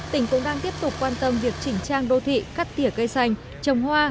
tỉnh cũng đang tiếp tục quan tâm việc chỉnh trang đô thị cắt tỉa cây xanh trồng hoa